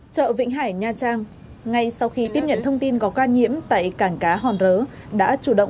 chợ vĩnh hải nha trang ngay sau khi tiếp nhận thông tin có ca nhiễm tại cảng cá hòn rớ